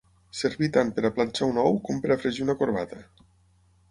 Servir tant per a planxar un ou com per a fregir una corbata.